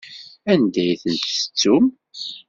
Anda ay ten-tettum?